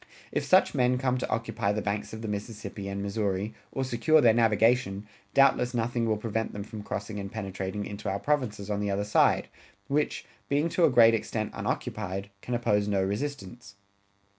If such men come to occupy the banks of the Mississippi and Missouri, or secure their navigation, doubtless nothing will prevent them from crossing and penetrating into our provinces on the other side, which, being to a great extent unoccupied, can oppose no resistance.